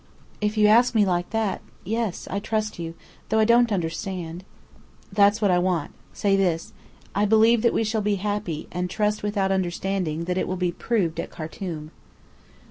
"If you ask me like that yes. I trust you. Though I don't understand." "That's what I want. Say this. 'I believe that we shall be happy; and I trust without understanding, that it will be proved at Khartum.'"